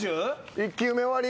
１球目終わり。